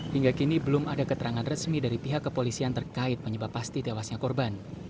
hingga kini belum ada keterangan resmi dari pihak kepolisian terkait penyebab pasti tewasnya korban